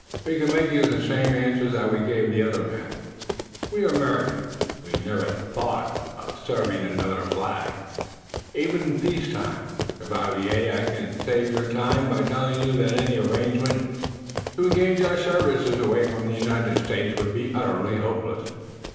"We can make you the same answer that we gave the other man. We are Americans, and would never think of serving any other flag, even in peace time. Chevalier, I can save your time by telling you that any arrangement to engage our services away from the United States would be utterly hopeless."